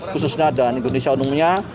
khususnya dan indonesia umumnya